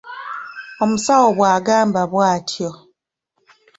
Omusawo bwagamba bwatyo.